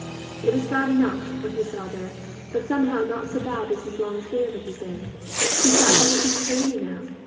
It was bad enough, what he saw there, but somehow not so bad as his long fear of it had been. He saw everything clearly now.